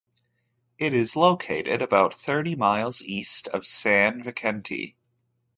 It is located about thirty miles East of San Vicente.